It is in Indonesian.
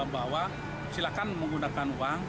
bahwa silakan menggunakan uang